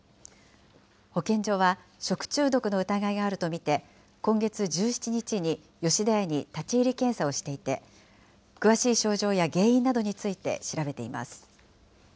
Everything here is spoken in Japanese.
保健所は食中毒の疑いがあると見て、今月１７日に吉田屋に立ち入り検査をしていて、詳しい症状や原因などについて調べています。